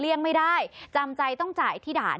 ไม่ได้จำใจต้องจ่ายที่ด่าน